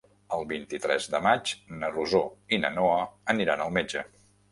El vint-i-tres de maig na Rosó i na Noa aniran al metge.